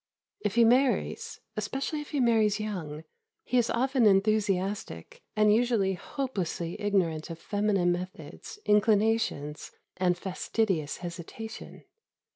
If he marries, especially if he marries young, he is often enthusiastic, and usually hopelessly ignorant of feminine methods, inclinations, and fastidious hesitation.